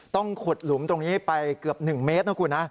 ต้องขุดหลุมตรงนี้ไปเกือบ๑เมตรนะคุณนะ